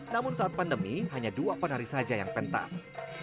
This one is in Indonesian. namun saat pandemi hanya dua penari saja yang pentas